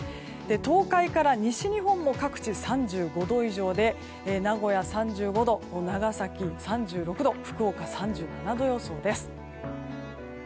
東海から西日本も各地３５度以上で名古屋３５度長崎３６度福岡３７度予想です。